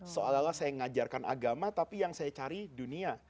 seolah olah saya mengajarkan agama tapi yang saya cari dunia